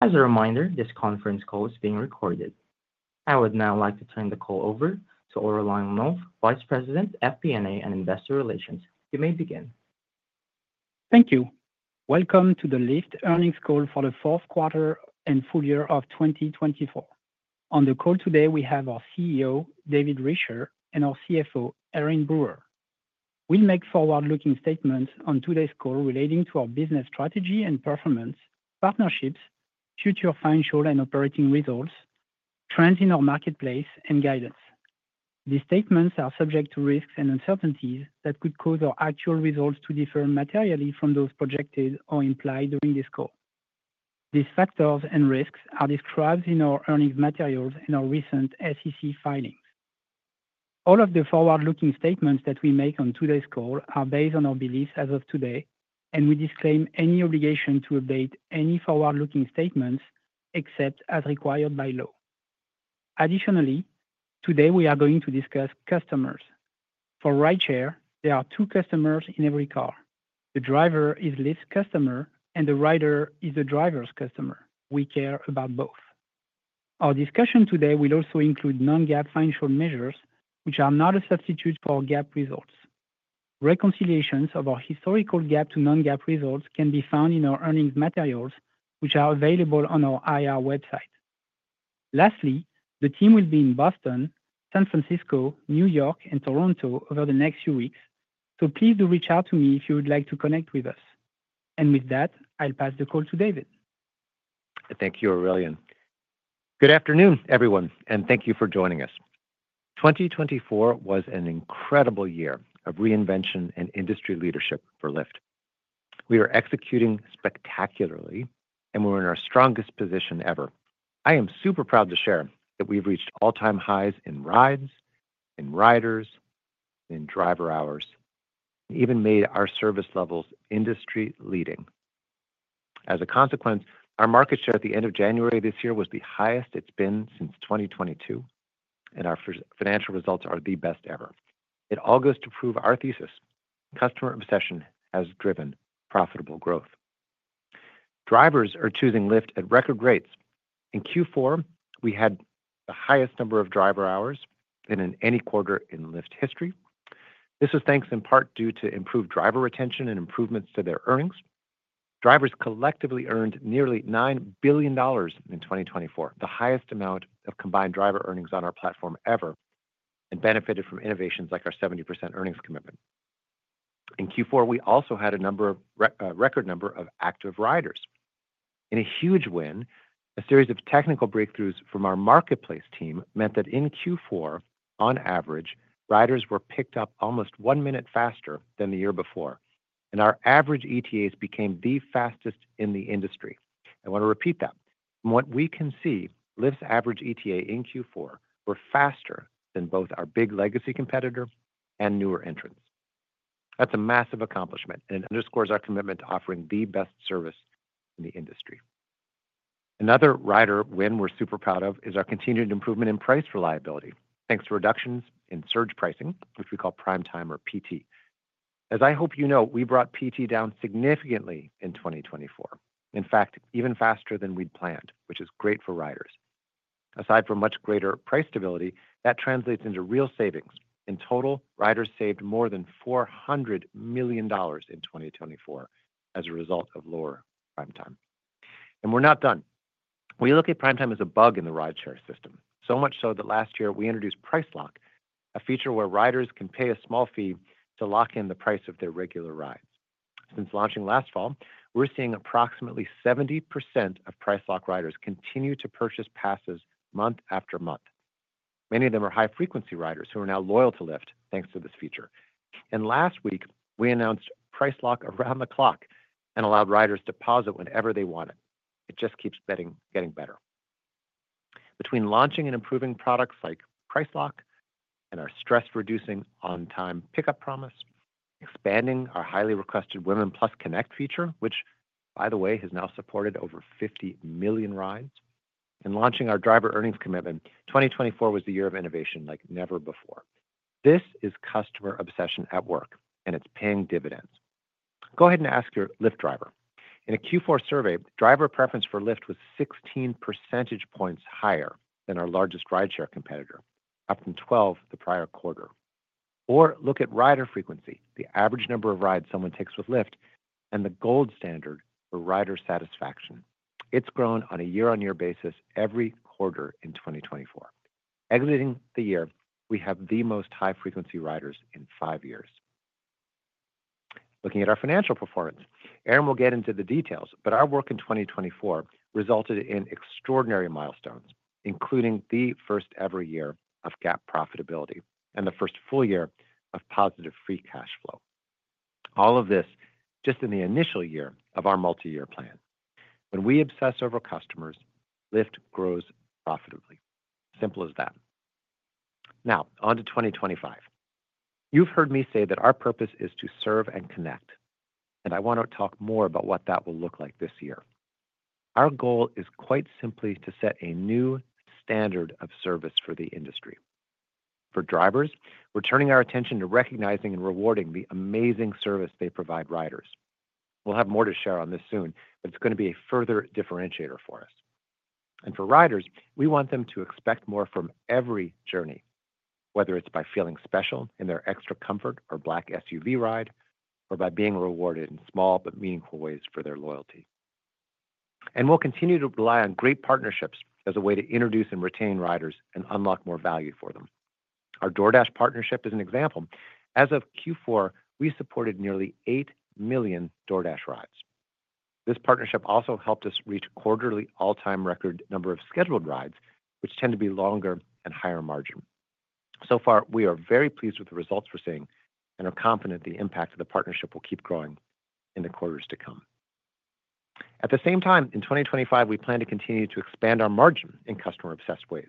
As a reminder, this conference call is being recorded. I would now like to turn the call over to Aurelien Nolf, Vice President, FP&A and Investor Relations. You may begin. Thank you. Welcome to the Lyft Earnings Call for the fourth quarter and full year of 2024. On the call today, we have our CEO, David Risher, and our CFO, Erin Brewer. We'll make forward-looking statements on today's call relating to our business strategy and performance, partnerships, future financial and operating results, trends in our marketplace, and guidance. These statements are subject to risks and uncertainties that could cause our actual results to differ materially from those projected or implied during this call. These factors and risks are described in our earnings materials and our recent SEC filings. All of the forward-looking statements that we make on today's call are based on our beliefs as of today, and we disclaim any obligation to update any forward-looking statements except as required by law. Additionally, today we are going to discuss customers. For rideshare, there are two customers in every car. The driver is Lyft's customer, and the rider is the driver's customer. We care about both. Our discussion today will also include non-GAAP financial measures, which are not a substitute for GAAP results. Reconciliations of our historical GAAP to non-GAAP results can be found in our earnings materials, which are available on our IR website. Lastly, the team will be in Boston, San Francisco, New York, and Toronto over the next few weeks, so please do reach out to me if you would like to connect with us. And with that, I'll pass the call to David. Thank you, Aurelien. Good afternoon, everyone, and thank you for joining us. 2024 was an incredible year of reinvention and industry leadership for Lyft. We are executing spectacularly, and we're in our strongest position ever. I am super proud to share that we've reached all-time highs in rides, in riders, in driver hours, and even made our service levels industry-leading. As a consequence, our market share at the end of January this year was the highest it's been since 2022, and our financial results are the best ever. It all goes to prove our thesis: customer obsession has driven profitable growth. Drivers are choosing Lyft at record rates. In Q4, we had the highest number of driver hours than in any quarter in Lyft history. This was thanks in part due to improved driver retention and improvements to their earnings. Drivers collectively earned nearly $9 billion in 2024, the highest amount of combined driver earnings on our platform ever, and benefited from innovations like our 70% earnings commitment. In Q4, we also had a record number of active riders. In a huge win, a series of technical breakthroughs from our marketplace team meant that in Q4, on average, riders were picked up almost one minute faster than the year before, and our average ETAs became the fastest in the industry. I want to repeat that. From what we can see, Lyft's average ETA in Q4 was faster than both our big legacy competitor and newer entrants. That's a massive accomplishment, and it underscores our commitment to offering the best service in the industry. Another rider win we're super proud of is our continued improvement in price reliability, thanks to reductions in surge pricing, which we call Prime Time or PT. As I hope you know, we brought PT down significantly in 2024, in fact, even faster than we'd planned, which is great for riders. Aside from much greater price stability, that translates into real savings. In total, riders saved more than $400 million in 2024 as a result of lower Prime Time. And we're not done. We look at Prime Time as a bug in the rideshare system, so much so that last year we introduced Price Lock, a feature where riders can pay a small fee to lock in the price of their regular rides. Since launching last fall, we're seeing approximately 70% of Price Lock riders continue to purchase passes month after month. Many of them are high-frequency riders who are now loyal to Lyft, thanks to this feature. And last week, we announced Price Lock Around the Clock and allowed riders to pause it whenever they wanted. It just keeps getting better. Between launching and improving products like Price Lock and our stress-reducing on-time pickup promise, expanding our highly requested Women+ Connect feature, which, by the way, has now supported over 50 million rides, and launching our driver earnings commitment, 2024 was the year of innovation like never before. This is customer obsession at work, and it's paying dividends. Go ahead and ask your Lyft driver. In a Q4 survey, driver preference for Lyft was 16 percentage points higher than our largest rideshare competitor, up from 12 the prior quarter. Or look at rider frequency, the average number of rides someone takes with Lyft, and the gold standard for rider satisfaction. It's grown on a year-on-year basis every quarter in 2024. Exiting the year, we have the most high-frequency riders in five years. Looking at our financial performance, Erin will get into the details, but our work in 2024 resulted in extraordinary milestones, including the first-ever year of GAAP profitability and the first full year of positive free cash flow. All of this just in the initial year of our multi-year plan. When we obsess over customers, Lyft grows profitably; simple as that. Now, on to 2025. You've heard me say that our purpose is to serve and connect, and I want to talk more about what that will look like this year. Our goal is quite simply to set a new standard of service for the industry. For drivers, we're turning our attention to recognizing and rewarding the amazing service they provide riders. We'll have more to share on this soon, but it's going to be a further differentiator for us, and for riders, we want them to expect more from every journey, whether it's by feeling special in their Extra Comfort or Black SUV ride, or by being rewarded in small but meaningful ways for their loyalty, and we'll continue to rely on great partnerships as a way to introduce and retain riders and unlock more value for them. Our DoorDash partnership is an example. As of Q4, we supported nearly 8 million DoorDash rides. This partnership also helped us reach a quarterly all-time record number of scheduled rides, which tend to be longer and higher margin, so far we are very pleased with the results we're seeing and are confident the impact of the partnership will keep growing in the quarters to come. At the same time, in 2025, we plan to continue to expand our margin in customer-obsessed ways.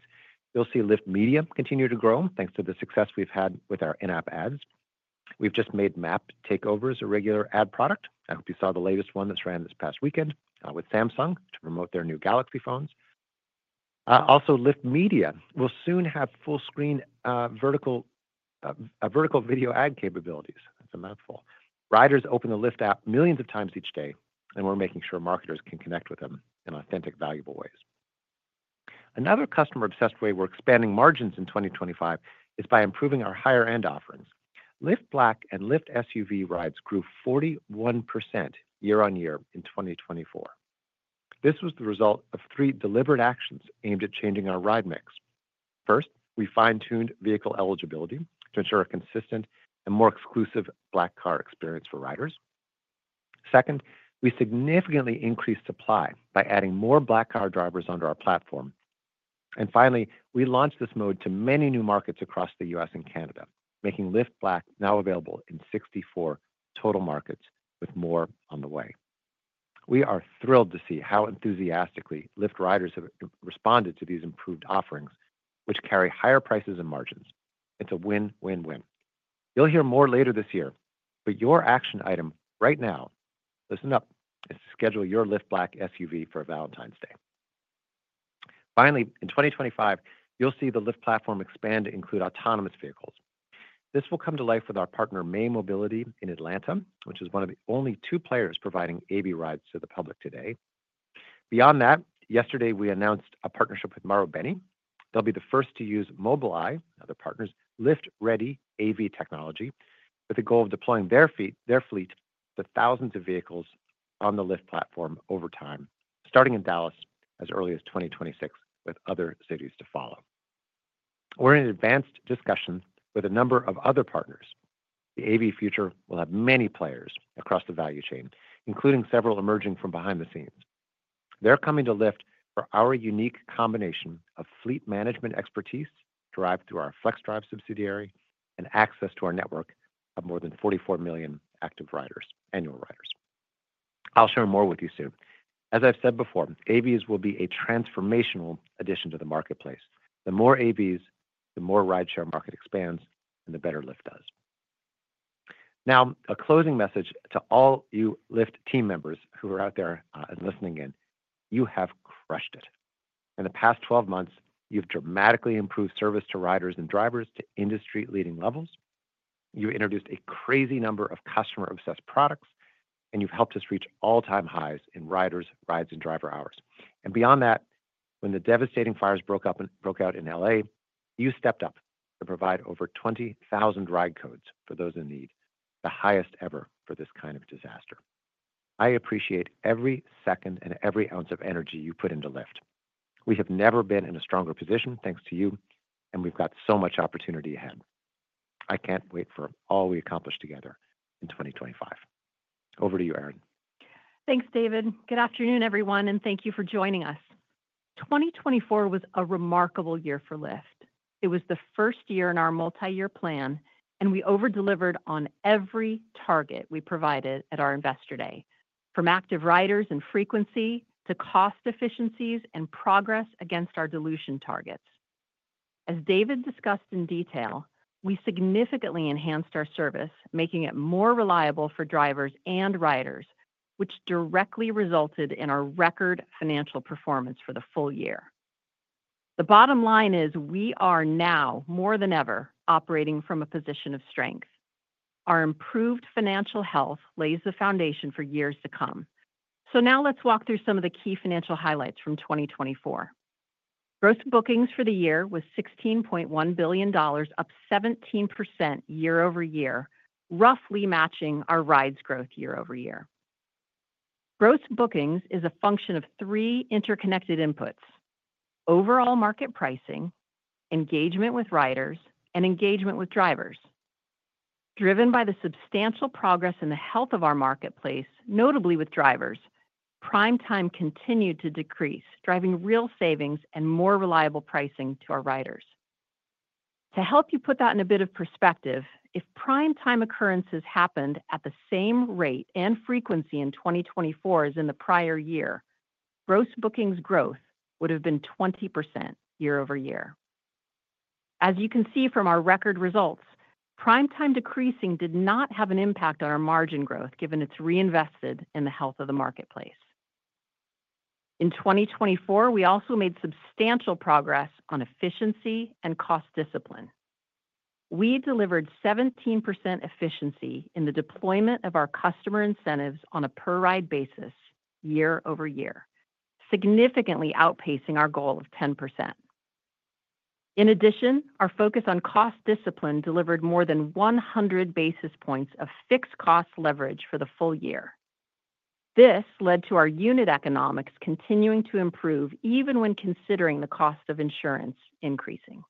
You'll see Lyft Media continue to grow thanks to the success we've had with our in-app ads. We've just made map takeovers a regular ad product. I hope you saw the latest one that's ran this past weekend with Samsung to promote their new Galaxy phones. Also, Lyft Media will soon have full-screen vertical video ad capabilities. That's a mouthful. Riders open the Lyft app millions of times each day, and we're making sure marketers can connect with them in authentic, valuable ways. Another customer-obsessed way we're expanding margins in 2025 is by improving our higher-end offerings. Lyft Black and Lyft SUV rides grew 41% year-on-year in 2024. This was the result of three deliberate actions aimed at changing our ride mix. First, we fine-tuned vehicle eligibility to ensure a consistent and more exclusive Black car experience for riders. Second, we significantly increased supply by adding more Black car drivers onto our platform. And finally, we launched this mode to many new markets across the U.S. and Canada, making Lyft Black now available in 64 total markets with more on the way. We are thrilled to see how enthusiastically Lyft riders have responded to these improved offerings, which carry higher prices and margins. It's a win-win-win. You'll hear more later this year, but your action item right now, listen up, is to schedule your Lyft Black SUV for Valentine's Day. Finally, in 2025, you'll see the Lyft platform expand to include autonomous vehicles. This will come to life with our partner May Mobility in Atlanta, which is one of the only two players providing AV rides to the public today. Beyond that, yesterday we announced a partnership with Marubeni. They'll be the first to use Mobileye, other partners' Lyft Ready AV technology, with the goal of deploying their fleet to thousands of vehicles on the Lyft platform over time, starting in Dallas as early as 2026, with other cities to follow. We're in advanced discussion with a number of other partners. The AV future will have many players across the value chain, including several emerging from behind the scenes. They're coming to Lyft for our unique combination of fleet management expertise derived through our FlexDrive subsidiary and access to our network of more than 44 million active riders, annual riders. I'll share more with you soon. As I've said before, AVs will be a transformational addition to the marketplace. The more AVs, the more rideshare market expands, and the better Lyft does. Now, a closing message to all you Lyft team members who are out there and listening in. You have crushed it. In the past 12 months, you've dramatically improved service to riders and drivers to industry-leading levels. You introduced a crazy number of customer-obsessed products, and you've helped us reach all-time highs in riders, rides, and driver hours. And beyond that, when the devastating fires broke out in LA, you stepped up to provide over 20,000 ride codes for those in need, the highest ever for this kind of disaster. I appreciate every second and every ounce of energy you put into Lyft. We have never been in a stronger position thanks to you, and we've got so much opportunity ahead. I can't wait for all we accomplish together in 2025. Over to you, Erin. Thanks, David. Good afternoon, everyone, and thank you for joining us. 2024 was a remarkable year for Lyft. It was the first year in our multi-year plan, and we overdelivered on every target we provided at our Investor Day, from active riders and frequency to cost efficiencies and progress against our dilution targets. As David discussed in detail, we significantly enhanced our service, making it more reliable for drivers and riders, which directly resulted in our record financial performance for the full year. The bottom line is we are now more than ever operating from a position of strength. Our improved financial health lays the foundation for years to come. So now let's walk through some of the key financial highlights from 2024. Gross bookings for the year was $16.1 billion, up 17% year-over-year, roughly matching our rides growth year-over-year. Gross bookings is a function of three interconnected inputs: overall market pricing, engagement with riders, and engagement with drivers. Driven by the substantial progress in the health of our marketplace, notably with drivers, Prime Time continued to decrease, driving real savings and more reliable pricing to our riders. To help you put that in a bit of perspective, if Prime Time occurrences happened at the same rate and frequency in 2024 as in the prior year, gross bookings growth would have been 20% year-over-year. As you can see from our record results, Prime Time decreasing did not have an impact on our margin growth, given it's reinvested in the health of the marketplace. In 2024, we also made substantial progress on efficiency and cost discipline. We delivered 17% efficiency in the deployment of our customer incentives on a per-ride basis year-over-year, significantly outpacing our goal of 10%. In addition, our focus on cost discipline delivered more than 100 basis points of fixed cost leverage for the full year. This led to our unit economics continuing to improve even when considering the cost of insurance increasing,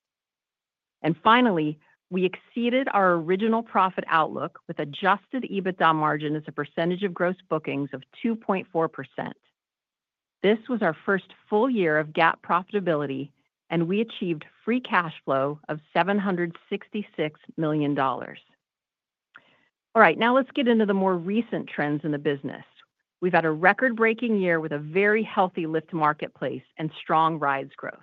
and finally, we exceeded our original profit outlook with Adjusted EBITDA margin as a percentage of gross bookings of 2.4%. This was our first full year of GAAP profitability, and we achieved free cash flow of $766 million. All right, now let's get into the more recent trends in the business. We've had a record-breaking year with a very healthy Lyft marketplace and strong rides growth.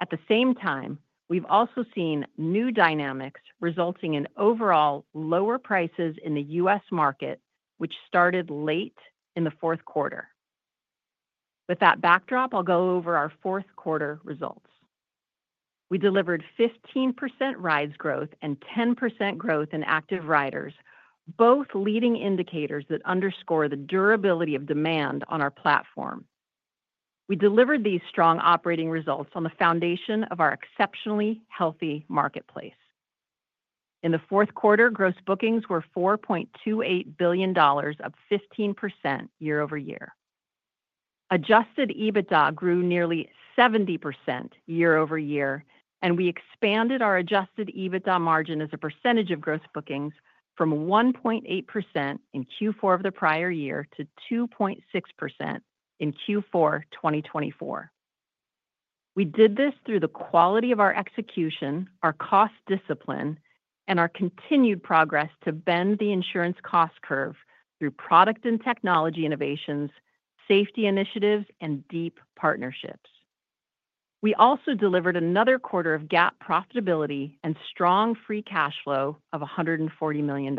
At the same time, we've also seen new dynamics resulting in overall lower prices in the US market, which started late in the fourth quarter. With that backdrop, I'll go over our fourth quarter results. We delivered 15% rides growth and 10% growth in active riders, both leading indicators that underscore the durability of demand on our platform. We delivered these strong operating results on the foundation of our exceptionally healthy marketplace. In the fourth quarter, gross bookings were $4.28 billion, up 15% year-over-year. Adjusted EBITDA grew nearly 70% year-over-year, and we expanded our Adjusted EBITDA margin as a percentage of gross bookings from 1.8% in Q4 of the prior year to 2.6% in Q4 2024. We did this through the quality of our execution, our cost discipline, and our continued progress to bend the insurance cost curve through product and technology innovations, safety initiatives, and deep partnerships. We also delivered another quarter of GAAP profitability and strong free cash flow of $140 million.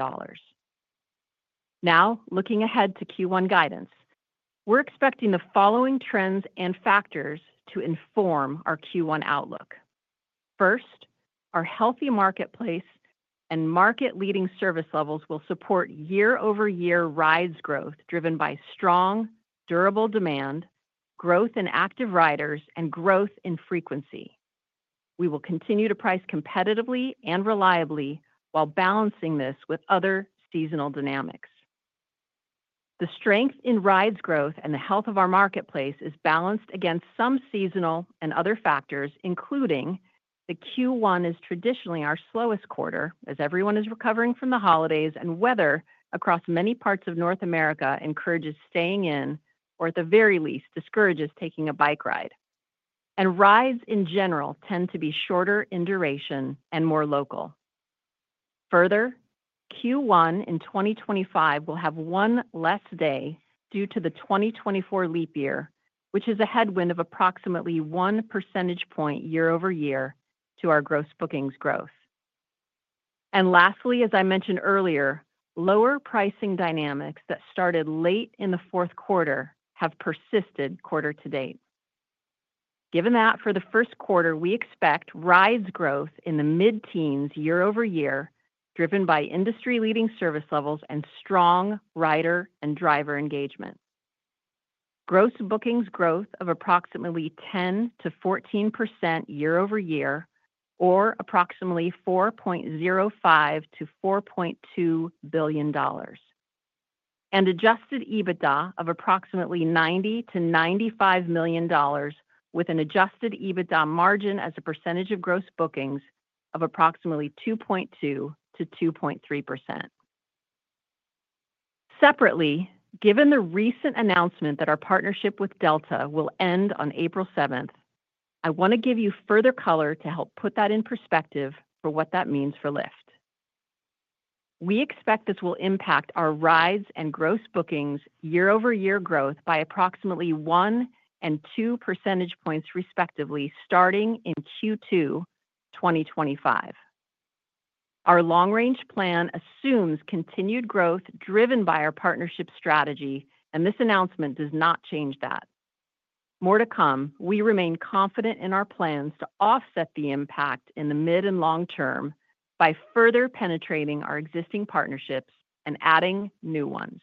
Now, looking ahead to Q1 guidance, we're expecting the following trends and factors to inform our Q1 outlook. First, our healthy marketplace and market-leading service levels will support year-over-year rides growth driven by strong, durable demand, growth in active riders, and growth in frequency. We will continue to price competitively and reliably while balancing this with other seasonal dynamics. The strength in rides growth and the health of our marketplace is balanced against some seasonal and other factors, including the Q1 is traditionally our slowest quarter as everyone is recovering from the holidays and weather across many parts of North America encourages staying in or at the very least discourages taking a bike ride, and rides in general tend to be shorter in duration and more local. Further, Q1 in 2025 will have one less day due to the 2024 leap year, which is a headwind of approximately one percentage point year-over-year to our gross bookings growth. Lastly, as I mentioned earlier, lower pricing dynamics that started late in the fourth quarter have persisted quarter to date. Given that, for the first quarter, we expect rides growth in the mid-teens year-over-year driven by industry-leading service levels and strong rider and driver engagement. Gross bookings growth of approximately 10%-14% year-over-year or approximately $4.05-$4.2 billion. Adjusted EBITDA of approximately $90-$95 million with an Adjusted EBITDA margin as a percentage of gross bookings of approximately 2.2%-2.3%. Separately, given the recent announcement that our partnership with Delta will end on April 7th, I want to give you further color to help put that in perspective for what that means for Lyft. We expect this will impact our rides and gross bookings year-over-year growth by approximately one and two percentage points respectively starting in Q2 2025. Our long-range plan assumes continued growth driven by our partnership strategy, and this announcement does not change that. More to come, we remain confident in our plans to offset the impact in the mid and long term by further penetrating our existing partnerships and adding new ones.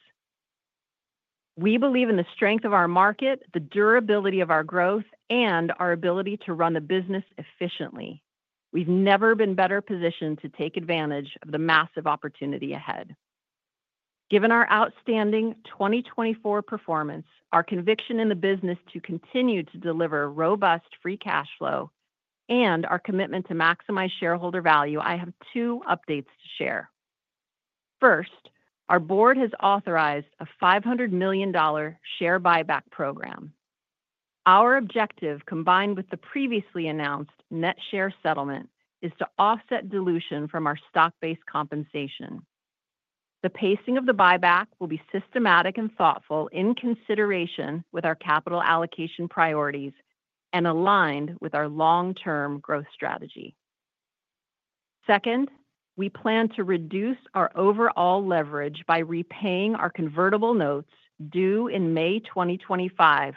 We believe in the strength of our market, the durability of our growth, and our ability to run the business efficiently. We've never been better positioned to take advantage of the massive opportunity ahead. Given our outstanding 2024 performance, our conviction in the business to continue to deliver robust free cash flow, and our commitment to maximize shareholder value, I have two updates to share. First, our board has authorized a $500 million share buyback program. Our objective, combined with the previously announced net share settlement, is to offset dilution from our stock-based compensation. The pacing of the buyback will be systematic and thoughtful in consideration with our capital allocation priorities and aligned with our long-term growth strategy. Second, we plan to reduce our overall leverage by repaying our convertible notes due in May 2025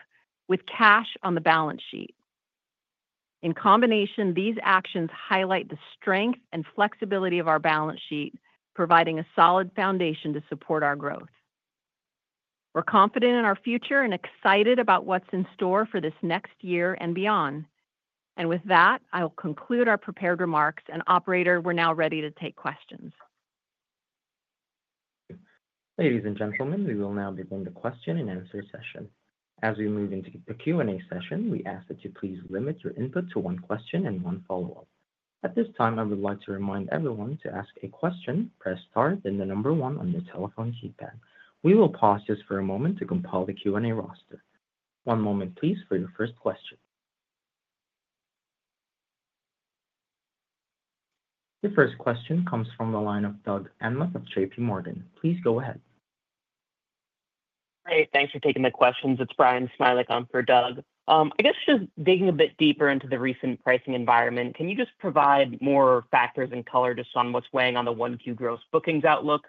with cash on the balance sheet. In combination, these actions highlight the strength and flexibility of our balance sheet, providing a solid foundation to support our growth. We're confident in our future and excited about what's in store for this next year and beyond. And with that, I'll conclude our prepared remarks, and Operator, we're now ready to take questions. Ladies and gentlemen, we will now begin the question and answer session. As we move into the Q&A session, we ask that you please limit your input to one question and one follow-up. At this time, I would like to remind everyone to ask a question, press star, then the number one on your telephone keypad. We will pause just for a moment to compile the Q&A roster. One moment, please, for your first question. The first question comes from the line of Doug Anmuth of J.P. Morgan. Please go ahead. Hey, thanks for taking the questions. It's Brian Smilek for Doug. I guess just digging a bit deeper into the recent pricing environment, can you just provide more factors and color just on what's weighing on the Q1 gross bookings outlook?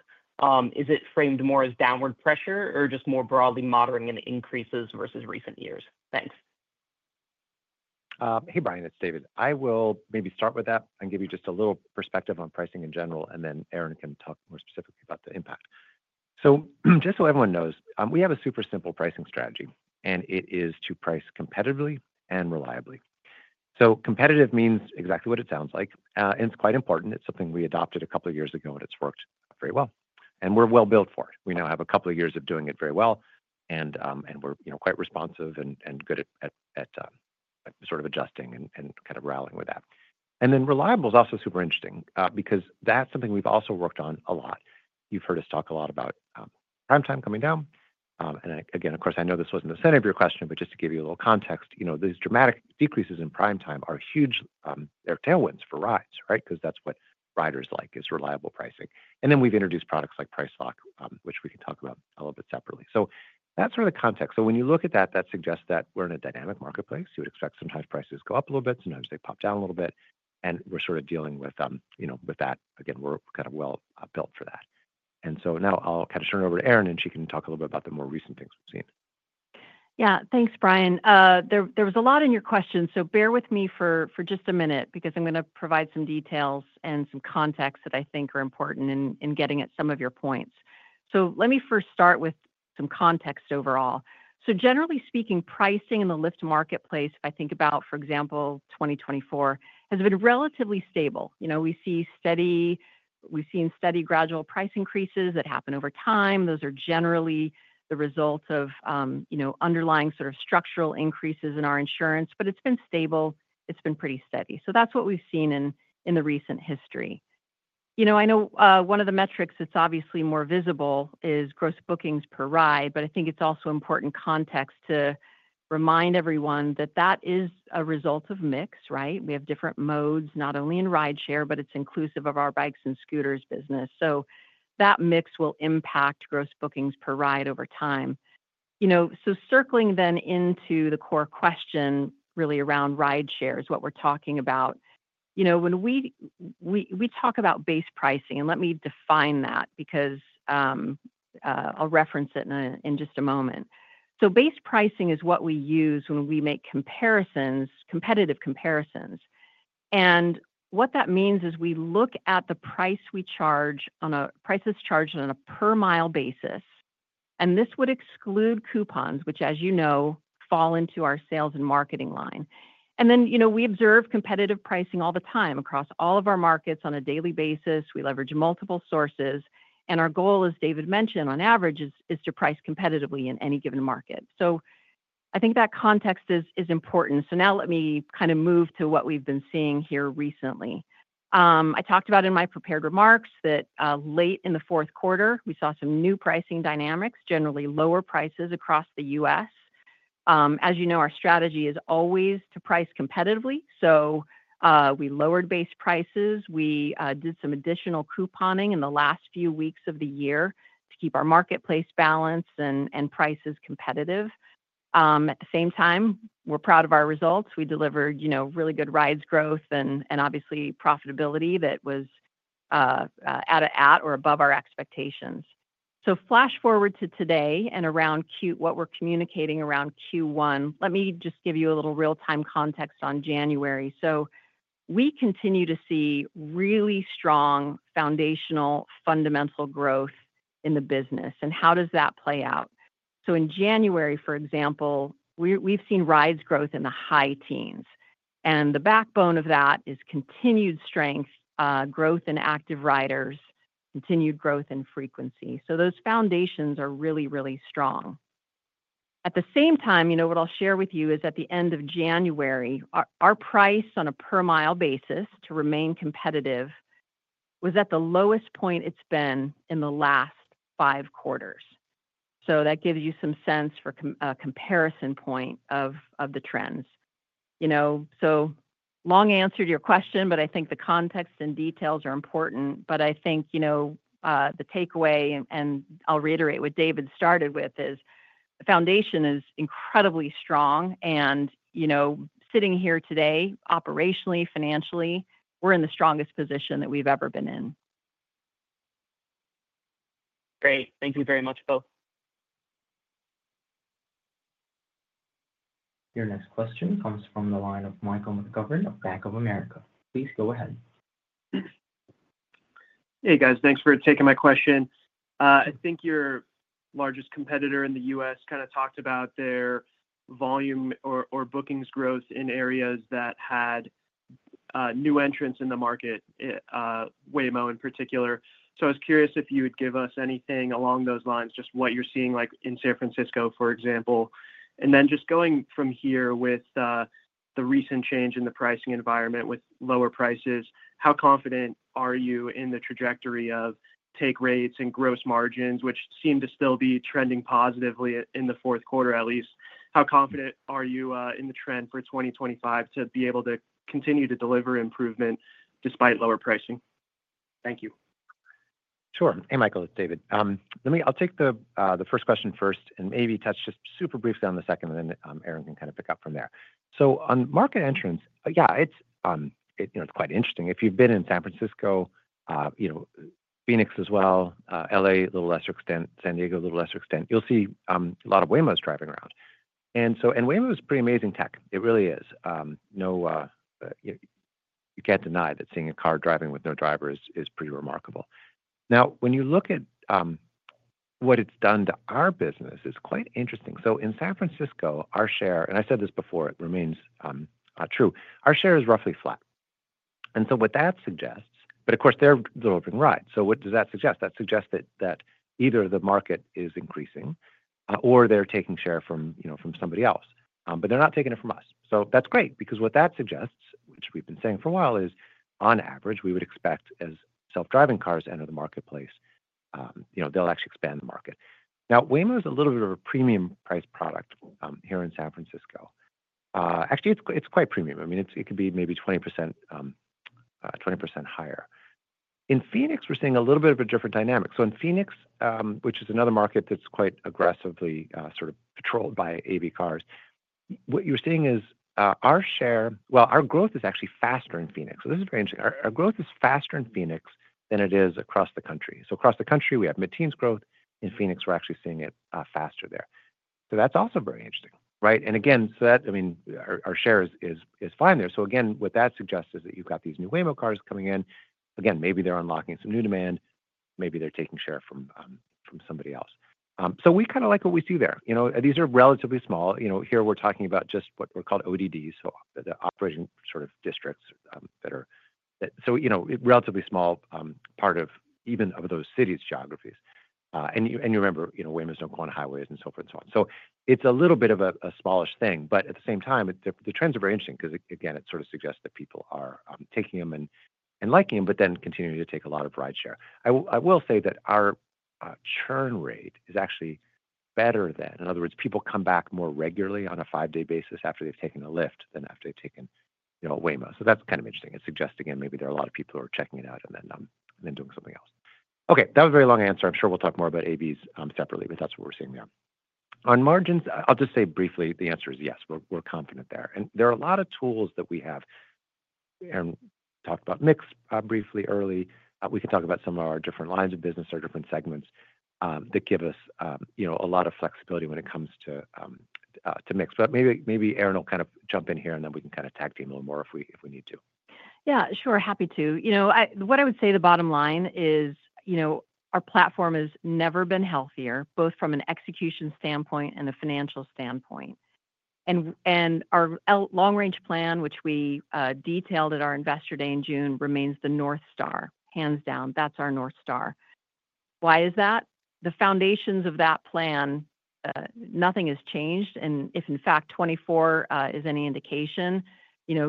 Is it framed more as downward pressure or just more broadly moderating in increases versus recent years? Thanks. Hey, Brian, it's David. I will maybe start with that and give you just a little perspective on pricing in general, and then Erin can talk more specifically about the impact. So just so everyone knows, we have a super simple pricing strategy, and it is to price competitively and reliably. So competitive means exactly what it sounds like, and it's quite important. It's something we adopted a couple of years ago, and it's worked very well. And we're well built for it. We now have a couple of years of doing it very well, and we're quite responsive and good at sort of adjusting and kind of rallying with that. And then reliable is also super interesting because that's something we've also worked on a lot. You've heard us talk a lot about Prime Time coming down. And again, of course, I know this wasn't the center of your question, but just to give you a little context, these dramatic decreases in Prime Time are huge tailwinds for rides, right? Because that's what riders like is reliable pricing. And then we've introduced products like Price Lock, which we can talk about a little bit separately. So that's sort of the context. So when you look at that, that suggests that we're in a dynamic marketplace. You would expect sometimes prices go up a little bit, sometimes they pop down a little bit, and we're sort of dealing with that. Again, we're kind of well built for that. And so now I'll kind of turn it over to Erin, and she can talk a little bit about the more recent things we've seen. Yeah, thanks, Brian. There was a lot in your question, so bear with me for just a minute because I'm going to provide some details and some context that I think are important in getting at some of your points. So let me first start with some context overall. So generally speaking, pricing in the Lyft marketplace, if I think about, for example, 2024, has been relatively stable. We see steady - we've seen steady gradual price increases that happen over time. Those are generally the result of underlying sort of structural increases in our insurance, but it's been stable. It's been pretty steady. So that's what we've seen in the recent history. I know one of the metrics that's obviously more visible is gross bookings per ride, but I think it's also important context to remind everyone that that is a result of mix, right? We have different modes, not only in rideshare but it's inclusive of our bikes and scooters business. So that mix will impact gross bookings per ride over time. So circling then into the core question really around rideshare is what we're talking about. When we talk about base pricing, and let me define that because I'll reference it in just a moment. So base pricing is what we use when we make comparisons, competitive comparisons. And what that means is we look at the price we charge on a price that's charged on a per-mile basis, and this would exclude coupons, which, as you know, fall into our sales and marketing line. And then we observe competitive pricing all the time across all of our markets on a daily basis. We leverage multiple sources, and our goal, as David mentioned, on average, is to price competitively in any given market. So I think that context is important. So now let me kind of move to what we've been seeing here recently. I talked about in my prepared remarks that late in the fourth quarter, we saw some new pricing dynamics, generally lower prices across the U.S. As you know, our strategy is always to price competitively. So we lowered base prices. We did some additional couponing in the last few weeks of the year to keep our marketplace balance and prices competitive. At the same time, we're proud of our results. We delivered really good rides growth and obviously profitability that was at or above our expectations. So flash forward to today and around what we're communicating around Q1, let me just give you a little real-time context on January. So we continue to see really strong foundational fundamental growth in the business, and how does that play out? So in January, for example, we've seen rides growth in the high teens, and the backbone of that is continued strength, growth in active riders, continued growth in frequency. So those foundations are really, really strong. At the same time, what I'll share with you is at the end of January, our price on a per-mile basis to remain competitive was at the lowest point it's been in the last five quarters. So that gives you some sense for a comparison point of the trends. So long answer to your question, but I think the context and details are important. But I think the takeaway, and I'll reiterate what David started with, is the foundation is incredibly strong, and sitting here today, operationally, financially, we're in the strongest position that we've ever been in. Great. Thank you very much, both. Your next question comes from the line of Mike McGovern of Bank of America. Please go ahead. Hey, guys. Thanks for taking my question. I think your largest competitor in the U.S. kind of talked about their volume or bookings growth in areas that had new entrants in the market, Waymo in particular. So I was curious if you would give us anything along those lines, just what you're seeing in San Francisco, for example. And then just going from here with the recent change in the pricing environment with lower prices, how confident are you in the trajectory of take rates and gross margins, which seem to still be trending positively in the fourth quarter at least? How confident are you in the trend for 2025 to be able to continue to deliver improvement despite lower pricing? Thank you. Sure. Hey, Mike, it's David. I'll take the first question first and maybe touch just super briefly on the second, and then Erin can kind of pick up from there. So on market entrants, yeah, it's quite interesting. If you've been in San Francisco, Phoenix as well, LA a little lesser extent, San Diego a little lesser extent, you'll see a lot of Waymos driving around. And Waymo is pretty amazing tech. It really is. You can't deny that seeing a car driving with no driver is pretty remarkable. Now, when you look at what it's done to our business, it's quite interesting. So in San Francisco, our share, and I said this before, it remains true, our share is roughly flat. And so what that suggests, but of course, they're delivering rides. So what does that suggest? That suggests that either the market is increasing or they're taking share from somebody else, but they're not taking it from us. So that's great because what that suggests, which we've been saying for a while, is on average, we would expect as self-driving cars enter the marketplace, they'll actually expand the market. Now, Waymo is a little bit of a premium-priced product here in San Francisco. Actually, it's quite premium. I mean, it could be maybe 20% higher. In Phoenix, we're seeing a little bit of a different dynamic. So in Phoenix, which is another market that's quite aggressively sort of patrolled by AV cars, what you're seeing is our share, well, our growth is actually faster in Phoenix. So this is very interesting. Our growth is faster in Phoenix than it is across the country. So across the country, we have mid-teens growth. In Phoenix, we're actually seeing it faster there. So that's also very interesting, right? And again, so that, I mean, our share is fine there. So again, what that suggests is that you've got these new Waymo cars coming in. Again, maybe they're unlocking some new demand. Maybe they're taking share from somebody else. So we kind of like what we see there. These are relatively small. Here, we're talking about just what we call ODDs, so the operating design domains that are so relatively small part of even those cities' geographies. And you remember Waymos don't go on highways and so forth and so on. So it's a little bit of a smallish thing, but at the same time, the trends are very interesting because, again, it sort of suggests that people are taking them and liking them, but then continuing to take a lot of rideshare. I will say that our churn rate is actually better than. In other words, people come back more regularly on a five-day basis after they've taken a Lyft than after they've taken Waymo. So that's kind of interesting. It suggests, again, maybe there are a lot of people who are checking it out and then doing something else. Okay, that was a very long answer. I'm sure we'll talk more about AVs separately, but that's what we're seeing there. On margins, I'll just say briefly, the answer is yes. We're confident there, and there are a lot of tools that we have. Erin talked about mix briefly early. We can talk about some of our different lines of business or different segments that give us a lot of flexibility when it comes to mix. But maybe Erin will kind of jump in here, and then we can kind of tag team a little more if we need to. Yeah, sure. Happy to. What I would say the bottom line is our platform has never been healthier, both from an execution standpoint and a financial standpoint. And our long-range plan, which we detailed at our investor day in June, remains the North Star, hands down. That's our North Star. Why is that? The foundations of that plan, nothing has changed. And if, in fact, 2024 is any indication,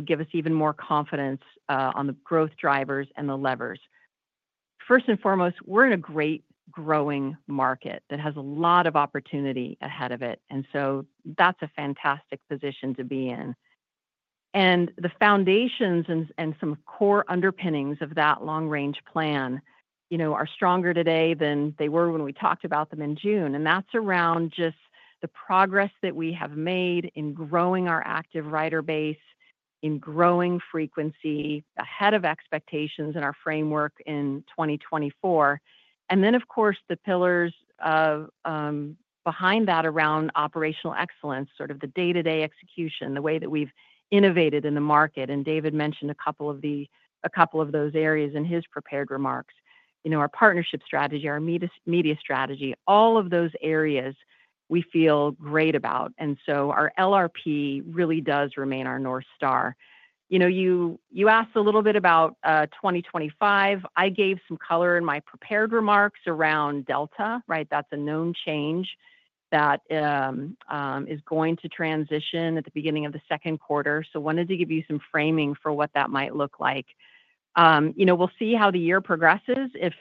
give us even more confidence on the growth drivers and the levers. First and foremost, we're in a great growing market that has a lot of opportunity ahead of it. And so that's a fantastic position to be in. And the foundations and some core underpinnings of that long-range plan are stronger today than they were when we talked about them in June. That's around just the progress that we have made in growing our active rider base, in growing frequency ahead of expectations in our framework in 2024. Then, of course, the pillars behind that around operational excellence, sort of the day-to-day execution, the way that we've innovated in the market. David mentioned a couple of those areas in his prepared remarks. Our partnership strategy, our media strategy, all of those areas we feel great about. So our LRP really does remain our North Star. You asked a little bit about 2025. I gave some color in my prepared remarks around Delta, right? That's a known change that is going to transition at the beginning of the second quarter. I wanted to give you some framing for what that might look like. We'll see how the year progresses. If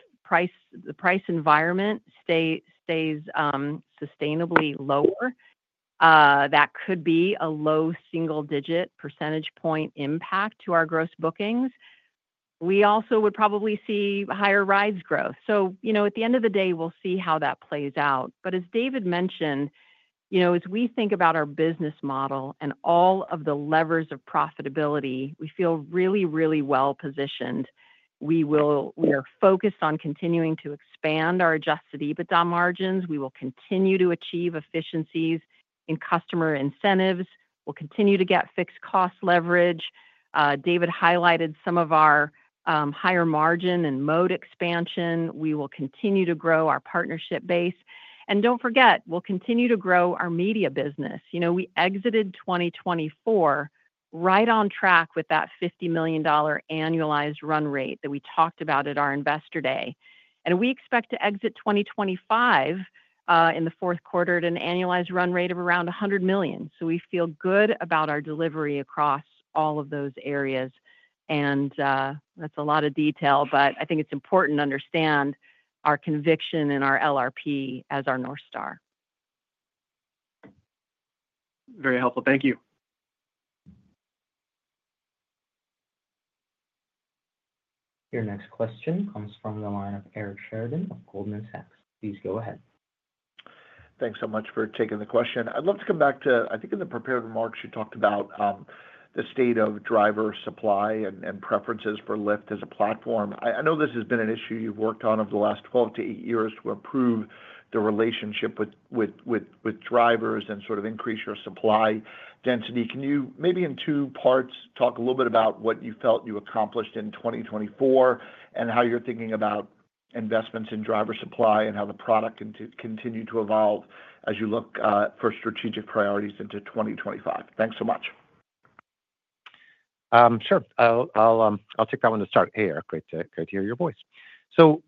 the price environment stays sustainably lower, that could be a low single-digit percentage point impact to our Gross Bookings. We also would probably see higher rides growth. So at the end of the day, we'll see how that plays out. But as David mentioned, as we think about our business model and all of the levers of profitability, we feel really, really well positioned. We are focused on continuing to expand our Adjusted EBITDA margins. We will continue to achieve efficiencies in customer incentives. We'll continue to get fixed cost leverage. David highlighted some of our higher margin and mode expansion. We will continue to grow our partnership base. And don't forget, we'll continue to grow our media business. We exited 2024 right on track with that $50 million annualized run rate that we talked about at our investor day. We expect to exit 2025 in the fourth quarter at an annualized run rate of around 100 million. We feel good about our delivery across all of those areas. That's a lot of detail, but I think it's important to understand our conviction and our LRP as our North Star. Very helpful. Thank you. Your next question comes from the line of Eric Sheridan of Goldman Sachs. Please go ahead. Thanks so much for taking the question. I'd love to come back to, I think in the prepared remarks, you talked about the state of driver supply and preferences for Lyft as a platform. I know this has been an issue you've worked on over the last 12 to 8 years to improve the relationship with drivers and sort of increase your supply density. Can you maybe in two parts talk a little bit about what you felt you accomplished in 2024 and how you're thinking about investments in driver supply and how the product can continue to evolve as you look for strategic priorities into 2025? Thanks so much. Sure. I'll take that one to start. Hey, Eric. Great to hear your voice. So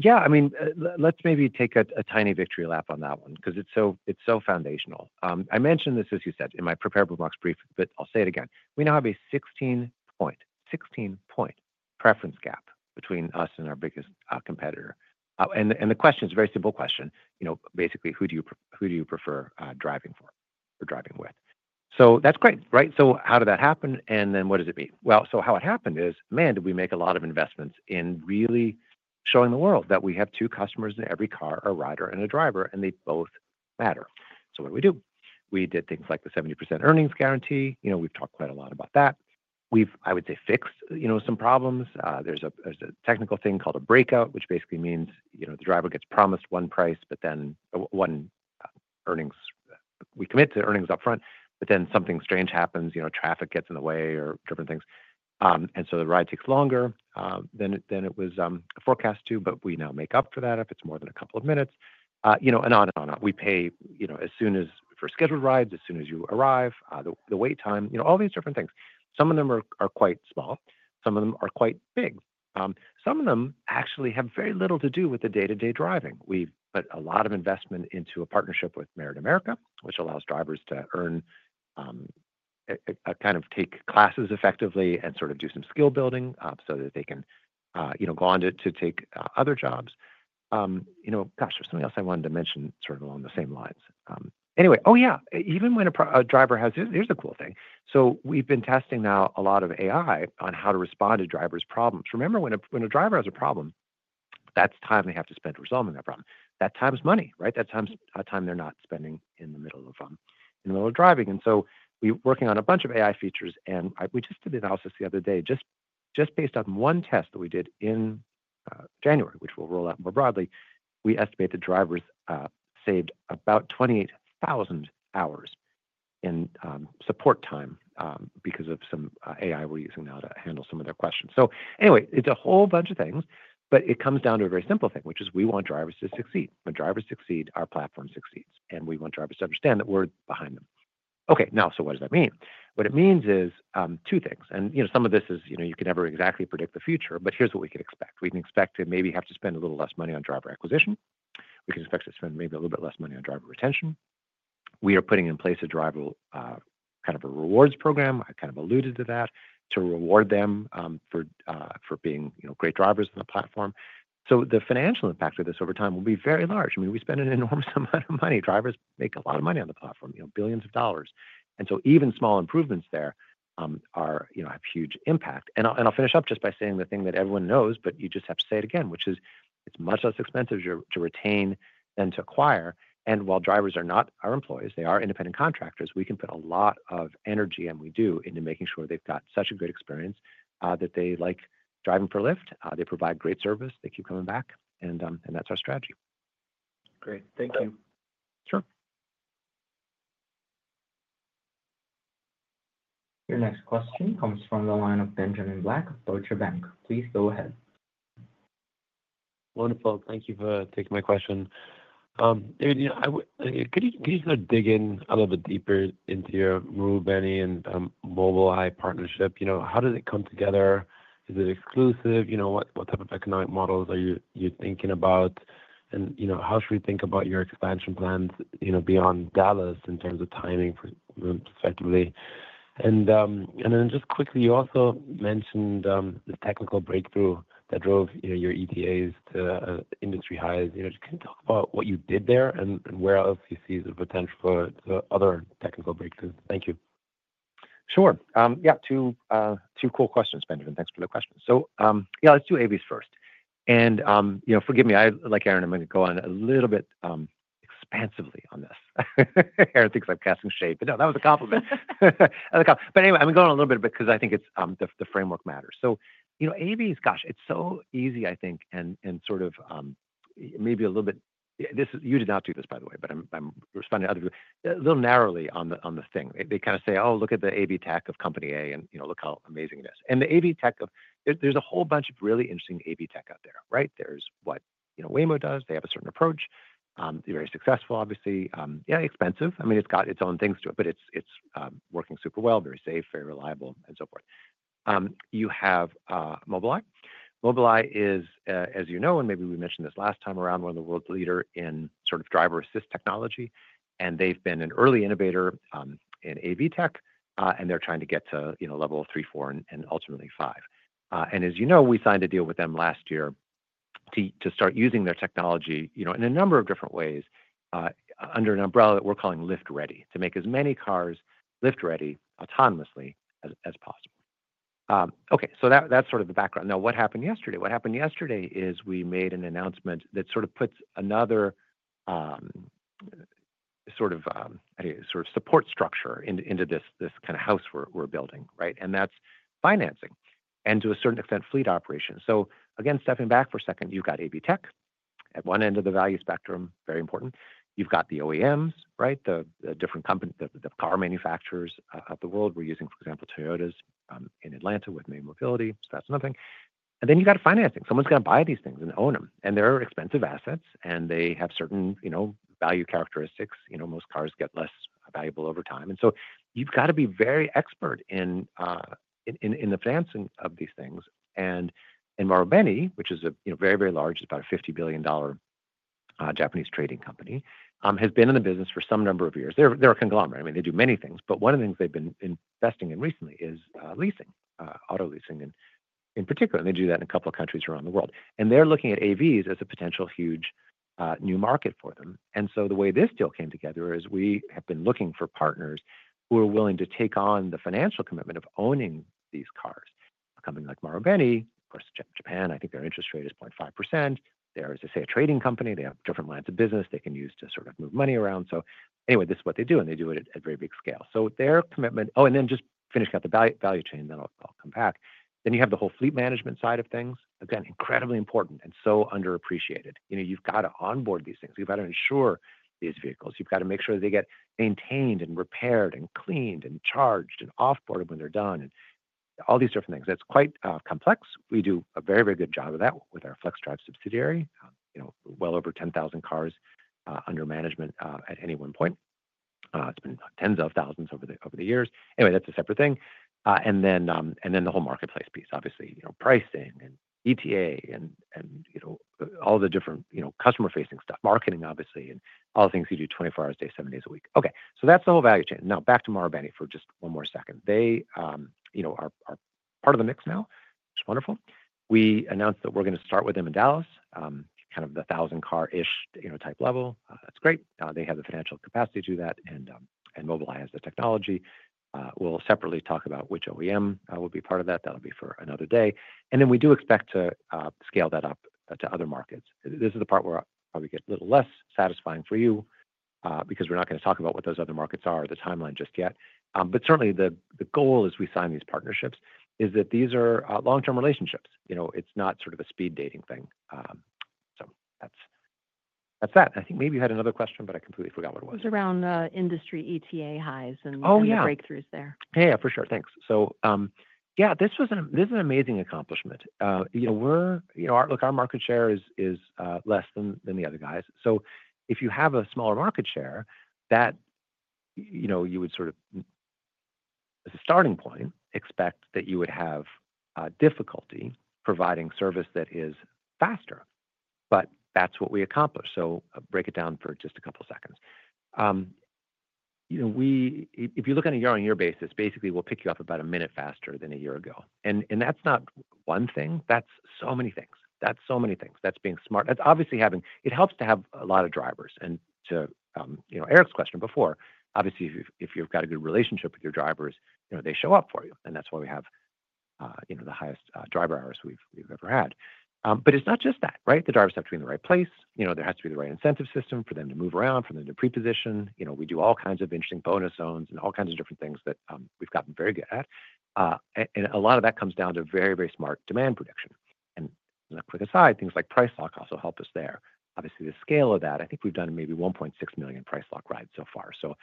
yeah, I mean, let's maybe take a tiny victory lap on that one because it's so foundational. I mentioned this, as you said, in my prepared remarks brief, but I'll say it again. We now have a 16-point preference gap between us and our biggest competitor. And the question is a very simple question. Basically, who do you prefer driving for or driving with? So that's great, right? So how did that happen? And then what does it mean? Well, so how it happened is, man, did we make a lot of investments in really showing the world that we have two customers in every car, a rider and a driver, and they both matter. So what do we do? We did things like the 70% earnings guarantee. We've talked quite a lot about that. We've, I would say, fixed some problems. There's a technical thing called a breakout, which basically means the driver gets promised one price, but then we commit to earnings upfront, but then something strange happens. Traffic gets in the way or different things. And so the ride takes longer than it was forecast to, but we now make up for that if it's more than a couple of minutes. And on and on. We pay as soon as for scheduled rides, as soon as you arrive, the wait time, all these different things. Some of them are quite small. Some of them are quite big. Some of them actually have very little to do with the day-to-day driving. We've put a lot of investment into a partnership with Merit America, which allows drivers to kind of take classes effectively and sort of do some skill building so that they can go on to take other jobs. Gosh, there's something else I wanted to mention sort of along the same lines. Anyway, oh yeah, even when a driver has. Here's a cool thing. So we've been testing now a lot of AI on how to respond to drivers' problems. Remember, when a driver has a problem, that's time they have to spend resolving that problem. That time's money, right? That time they're not spending in the middle of driving. And so we're working on a bunch of AI features. And we just did the analysis the other day. Just based on one test that we did in January, which we'll roll out more broadly, we estimate that drivers saved about 28,000 hours in support time because of some AI we're using now to handle some of their questions. So anyway, it's a whole bunch of things, but it comes down to a very simple thing, which is we want drivers to succeed. When drivers succeed, our platform succeeds. And we want drivers to understand that we're behind them. Okay, now, so what does that mean? What it means is two things. And some of this is you can never exactly predict the future, but here's what we can expect. We can expect to maybe have to spend a little less money on driver acquisition. We can expect to spend maybe a little bit less money on driver retention. We are putting in place a kind of a rewards program. I kind of alluded to that to reward them for being great drivers on the platform. So the financial impact of this over time will be very large. I mean, we spend an enormous amount of money. Drivers make a lot of money on the platform, billions of dollars. And so even small improvements there have huge impact. And I'll finish up just by saying the thing that everyone knows, but you just have to say it again, which is it's much less expensive to retain than to acquire. And while drivers are not our employees, they are independent contractors, we can put a lot of energy, and we do, into making sure they've got such a great experience that they like driving for Lyft. They provide great service. They keep coming back. And that's our str`ategy. Great. Thank you. Sure. Your next question comes from the line of Benjamin Black of Deutsche Bank. Please go ahead. Wonderful. Thank you for taking my question. David, could you sort of dig in a little bit deeper into your Marubeni and Mobileye partnership? How does it come together? Is it exclusive? What type of economic models are you thinking about? And how should we think about your expansion plans beyond Dallas in terms of timing prospectively? And then just quickly, you also mentioned the technical breakthrough that drove your ETAs to industry highs. Can you talk about what you did there and where else you see the potential for other technical breakthroughs? Thank you. Sure. Yeah, two cool questions, Benjamin. Thanks for the question. So yeah, let's do AVs first. And forgive me, like Erin, I'm going to go on a little bit expansively on this. Erin thinks I'm casting shade, but no, that was a compliment. But anyway, I'm going to go on a little bit because I think the framework matters. So AVs, gosh, it's so easy, I think, and sort of maybe a little bit - you did not do this, by the way, but I'm responding to other people - a little narrowly on the thing. They kind of say, "Oh, look at the AV tech of Company A, and look how amazing it is." And the AV tech of - there's a whole bunch of really interesting AV tech out there, right? There's what Waymo does. They have a certain approach. They're very successful, obviously. Yeah, expensive. I mean, it's got its own things to it, but it's working super well, very safe, very reliable, and so forth. You have Mobileye. Mobileye is, as you know, and maybe we mentioned this last time around, one of the world's leaders in sort of driver assist technology, and they've been an early innovator in AV tech, and they're trying to get to level three, four, and ultimately five, and as you know, we signed a deal with them last year to start using their technology in a number of different ways under an umbrella that we're calling Lyft Ready, to make as many cars Lyft Ready autonomously as possible. Okay, so that's sort of the background. Now, what happened yesterday? What happened yesterday is we made an announcement that sort of puts another sort of support structure into this kind of house we're building, right? And that's financing and, to a certain extent, fleet operations. So again, stepping back for a second, you've got AV tech at one end of the value spectrum, very important. You've got the OEMs, right? The different car manufacturers of the world. We're using, for example, Toyotas in Atlanta with May Mobility. So that's another thing. And then you've got financing. Someone's going to buy these things and own them. And they're expensive assets, and they have certain value characteristics. Most cars get less valuable over time. And so you've got to be very expert in the financing of these things. And Marubeni, which is very, very large, is about a $50 billion Japanese trading company, has been in the business for some number of years. They're a conglomerate. I mean, they do many things, but one of the things they've been investing in recently is leasing, auto leasing in particular. And they do that in a couple of countries around the world. And they're looking at AVs as a potential huge new market for them. And so the way this deal came together is we have been looking for partners who are willing to take on the financial commitment of owning these cars. A company like Marubeni, of course, Japan, I think their interest rate is 0.5%. They are, as I say, a trading company. They have different lines of business they can use to sort of move money around. So anyway, this is what they do, and they do it at very big scale. So their commitment. Oh, and then just finishing out the value chain, then I'll come back. Then you have the whole fleet management side of things. Again, incredibly important and so underappreciated. You've got to onboard these things. You've got to ensure these vehicles. You've got to make sure that they get maintained and repaired and cleaned and charged and offboarded when they're done, and all these different things. It's quite complex. We do a very, very good job of that with our FlexDrive subsidiary. Well over 10,000 cars under management at any one point. It's been tens of thousands over the years. Anyway, that's a separate thing. And then the whole marketplace piece, obviously, pricing and ETA and all the different customer-facing stuff, marketing, obviously, and all the things you do 24 hours a day, seven days a week. Okay, so that's the whole value chain. Now, back to Marubeni for just one more second. They are part of the mix now. It's wonderful. We announced that we're going to start with them in Dallas, kind of the 1,000-car-ish type level. That's great. They have the financial capacity to do that and mobilize the technology. We'll separately talk about which OEM will be part of that. That'll be for another day, and then we do expect to scale that up to other markets. This is the part where it'll probably get a little less satisfying for you because we're not going to talk about what those other markets are, the timeline just yet, but certainly, the goal as we sign these partnerships is that these are long-term relationships. It's not sort of a speed dating thing, so that's that. I think maybe you had another question, but I completely forgot what it was. It was around industry ETA highs and breakthroughs there. Oh, yeah. Yeah, for sure. Thanks. So yeah, this is an amazing accomplishment. Look, our market share is less than the other guys. So if you have a smaller market share, you would sort of, as a starting point, expect that you would have difficulty providing service that is faster. But that's what we accomplished. So I'll break it down for just a couple of seconds. If you look on a year-on-year basis, basically, we'll pick you up about a minute faster than a year ago. And that's not one thing. That's so many things. That's so many things. That's being smart. It helps to have a lot of drivers. And to Eric's question before, obviously, if you've got a good relationship with your drivers, they show up for you. And that's why we have the highest driver hours we've ever had. But it's not just that, right? The drivers have to be in the right place. There has to be the right incentive system for them to move around, for them to pre-position. We do all kinds of interesting Bonus Zones and all kinds of different things that we've gotten very good at. And a lot of that comes down to very, very smart demand prediction. And as a quick aside, things like Price Lock also help us there. Obviously, the scale of that, I think we've done maybe 1.6 million Price Lock rides so far. So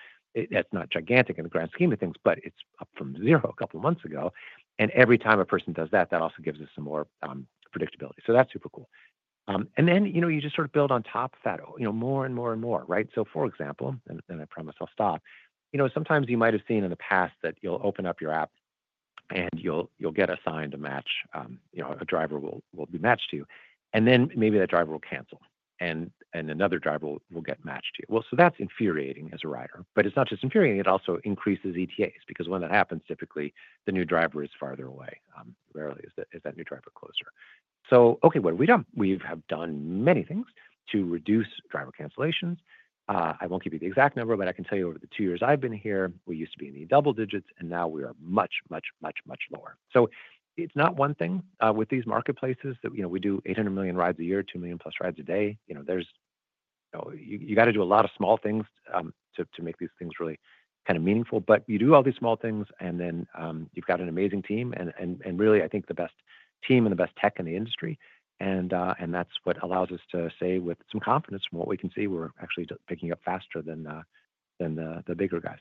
that's not gigantic in the grand scheme of things, but it's up from zero a couple of months ago. And every time a person does that, that also gives us some more predictability. So that's super cool. And then you just sort of build on top of that more and more and more, right? For example, and I promise I'll stop, sometimes you might have seen in the past that you'll open up your app and you'll get assigned a match. A driver will be matched to you, and then maybe that driver will cancel. And another driver will get matched to you. That's infuriating as a rider, but it's not just infuriating. It also increases ETAs because when that happens, typically, the new driver is farther away. Rarely is that new driver closer. So okay, what have we done? We have done many things to reduce driver cancellations. I won't give you the exact number, but I can tell you over the two years I've been here, we used to be in the double digits, and now we are much, much, much, much lower. So it's not one thing with these marketplaces that we do 800 million rides a year, 2 million plus rides a day. You've got to do a lot of small things to make these things really kind of meaningful. But you do all these small things, and then you've got an amazing team. And really, I think the best team and the best tech in the industry. And that's what allows us to say with some confidence from what we can see, we're actually picking up faster than the bigger guys.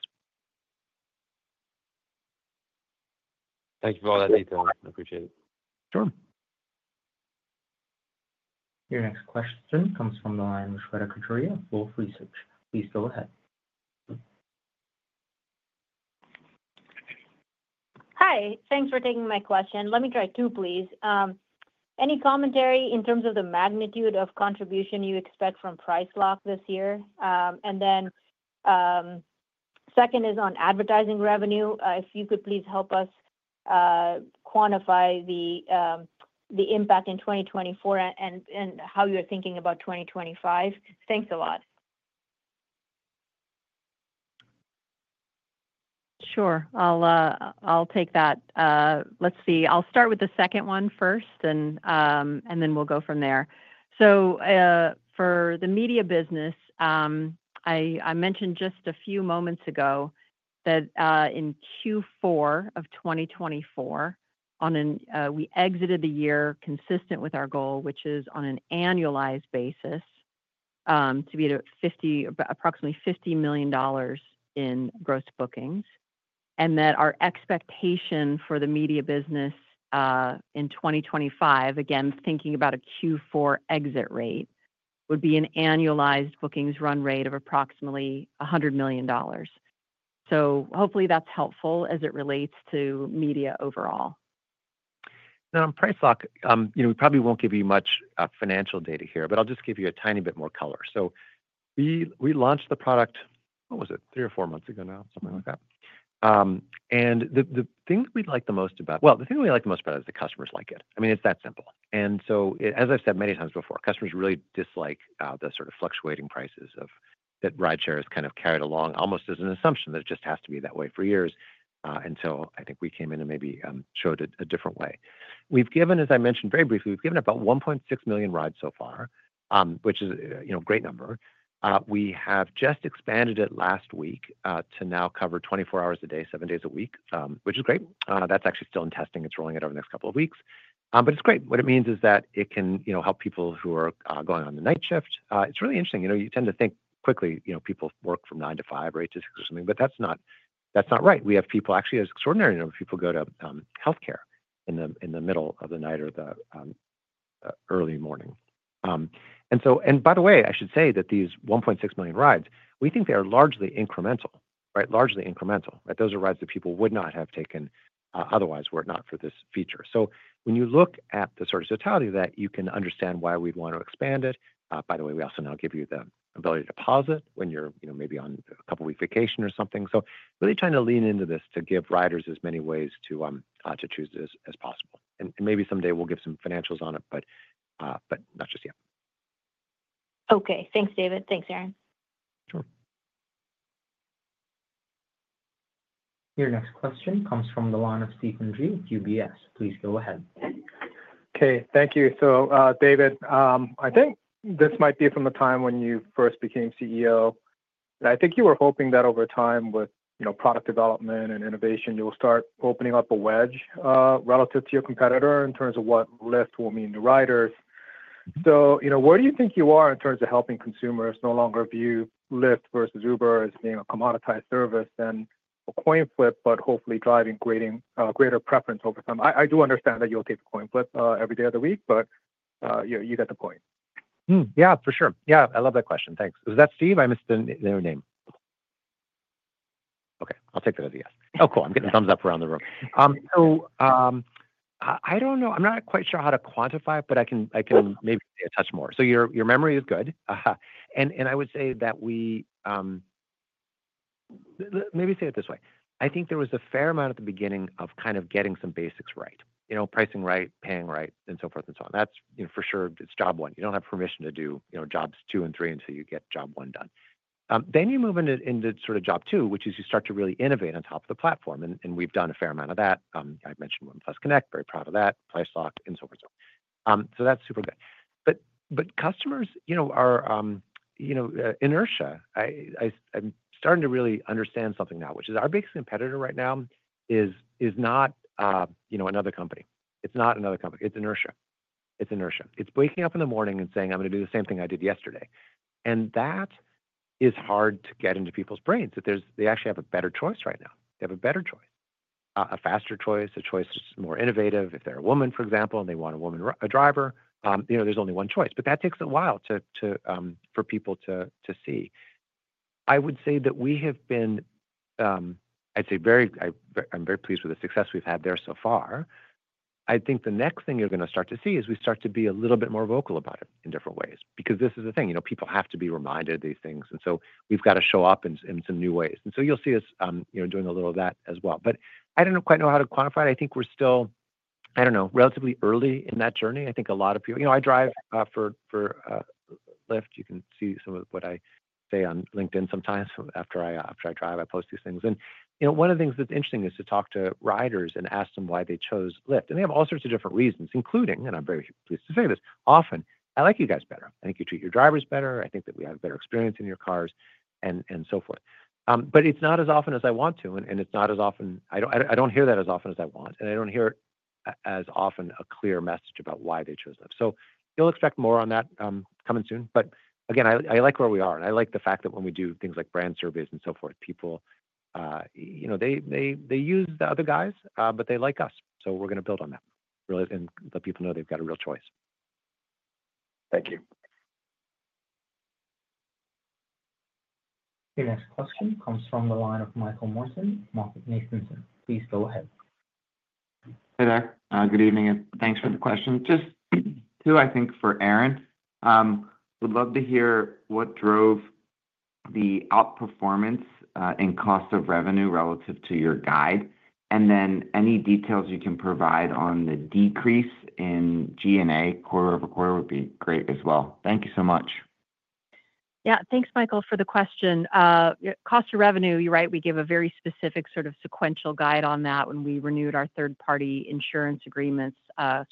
Thank you for all that detail. I appreciate it. Sure. Your next question comes from the line of Shweta Khajuria, Wolfe Research. Please go ahead. Hi. Thanks for taking my question. Let me try too, please. Any commentary in terms of the magnitude of contribution you expect from Price Lock this year? And then second is on advertising revenue. If you could please help us quantify the impact in 2024 and how you're thinking about 2025. Thanks a lot. Sure. I'll take that. Let's see. I'll start with the second one first, and then we'll go from there. So for the media business, I mentioned just a few moments ago that in Q4 of 2024, we exited the year consistent with our goal, which is on an annualized basis to be at approximately $50 million in gross bookings. And that our expectation for the media business in 2025, again, thinking about a Q4 exit rate, would be an annualized bookings run rate of approximately $100 million. So hopefully, that's helpful as it relates to media overall. Now, on Price Lock, we probably won't give you much financial data here, but I'll just give you a tiny bit more color. So we launched the product, what was it, three or four months ago now, something like that. And the thing that we like the most about, well, the thing we like the most about it is the customers like it. I mean, it's that simple. And so, as I've said many times before, customers really dislike the sort of fluctuating prices of that rideshare has kind of carried along almost as an assumption that it just has to be that way for years. And so I think we came in and maybe showed it a different way. We've given, as I mentioned very briefly, we've given about 1.6 million rides so far, which is a great number. We have just expanded it last week to now cover 24 hours a day, seven days a week, which is great. That's actually still in testing. It's rolling out over the next couple of weeks. But it's great. What it means is that it can help people who are going on the night shift. It's really interesting. You tend to think quickly people work from 9:00 A.M. to 5:00 P.M., right, to 6:00 P.M. or something, but that's not right. We have people, actually, it's extraordinary, people go to healthcare in the middle of the night or the early morning. And by the way, I should say that these 1.6 million rides, we think they are largely incremental, right? Largely incremental. Those are rides that people would not have taken otherwise were it not for this feature. So when you look at the sort of totality of that, you can understand why we'd want to expand it. By the way, we also now give you the ability to deposit when you're maybe on a couple-week vacation or something. So really trying to lean into this to give riders as many ways to choose as possible. And maybe someday we'll give some financials on it, but not just yet. Okay. Thanks, David. Thanks, Erin. Sure. Your next question comes from the line of Stephen Ju, UBS. Please go ahead. Okay. Thank you. So, David, I think this might be from the time when you first became CEO. And I think you were hoping that over time with product development and innovation, you will start opening up a wedge relative to your competitor in terms of what Lyft will mean to riders. So where do you think you are in terms of helping consumers no longer view Lyft versus Uber as being a commoditized service and a coin flip, but hopefully driving greater preference over some? I do understand that you'll take a coin flip every day of the week, but you get the point. Yeah, for sure. Yeah. I love that question. Thanks. Was that Steve? I missed the other name. Okay. I'll take that as a yes. Oh, cool. I'm getting thumbs up around the room. So I don't know. I'm not quite sure how to quantify it, but I can maybe say a touch more. So your memory is good. And I would say that we, maybe say it this way. I think there was a fair amount at the beginning of kind of getting some basics right: pricing right, paying right, and so forth and so on. That's for sure job one. You don't have permission to do jobs two and three until you get job one done. Then you move into sort of job two, which is you start to really innovate on top of the platform. And we've done a fair amount of that. I've mentioned Women+ Connect, very proud of that, Price Lock, and so forth and so on. So that's super good. But customers are inertia. I'm starting to really understand something now, which is our biggest competitor right now is not another company. It's not another company. It's inertia. It's inertia. It's waking up in the morning and saying, "I'm going to do the same thing I did yesterday." And that is hard to get into people's brains. They actually have a better choice right now. They have a better choice, a faster choice, a choice that's more innovative. If they're a woman, for example, and they want a woman driver, there's only one choice. But that takes a while for people to see. I would say that we have been, I'd say, very, I'm very pleased with the success we've had there so far. I think the next thing you're going to start to see is we start to be a little bit more vocal about it in different ways. Because this is the thing. People have to be reminded of these things. And so we've got to show up in some new ways. And so you'll see us doing a little of that as well. But I don't quite know how to quantify it. I think we're still, I don't know, relatively early in that journey. I think a lot of people. I drive for Lyft. You can see some of what I say on LinkedIn sometimes after I drive. I post these things. And one of the things that's interesting is to talk to riders and ask them why they chose Lyft. They have all sorts of different reasons, including, and I'm very pleased to say this, often, "I like you guys better. I think you treat your drivers better. I think that we have a better experience in your cars," and so forth. But it's not as often as I want to. I don't hear that as often as I want. And I don't hear as often a clear message about why they chose Lyft. So you'll expect more on that coming soon. But again, I like where we are. And I like the fact that when we do things like brand surveys and so forth, people, they use the other guys, but they like us. So we're going to build on that and let people know they've got a real choice. Thank you. Your next question comes from the line of Michael Morton, MoffettNathanson. Please go ahead. Hey, there. Good evening, and thanks for the question. Just to, I think for Erin, would love to hear what drove the outperformance in cost of revenue relative to your guide. And then any details you can provide on the decrease in G&A quarter over quarter would be great as well. Thank you so much. Yeah. Thanks, Michael, for the question. Cost of revenue, you're right. We gave a very specific sort of sequential guide on that when we renewed our third-party insurance agreements,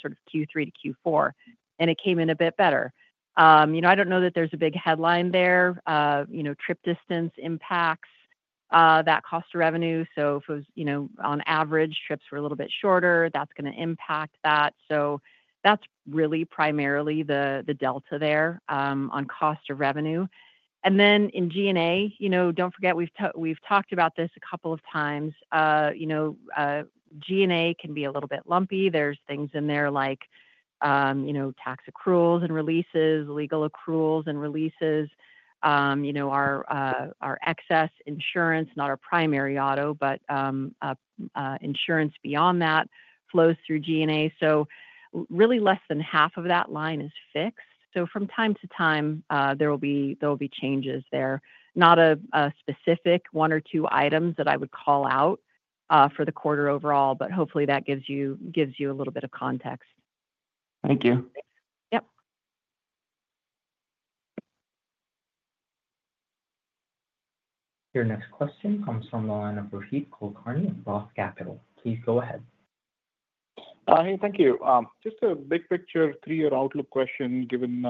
sort of Q3 to Q4, and it came in a bit better. I don't know that there's a big headline there. Trip distance impacts that cost of revenue, so if it was on average, trips were a little bit shorter, that's going to impact that, so that's really primarily the delta there on cost of revenue, and then in G&A, don't forget, we've talked about this a couple of times. G&A can be a little bit lumpy. There's things in there like tax accruals and releases, legal accruals and releases. Our excess insurance, not our primary auto, but insurance beyond that flows through G&A, so really less than half of that line is fixed. So from time to time, there will be changes there. Not a specific one or two items that I would call out for the quarter overall, but hopefully that gives you a little bit of context. Thank you. Yep. Your next question comes from the line of Rohit Kulkarni at Roth Capital. Please go ahead. Hey, thank you. Just a big picture, three-year outlook question given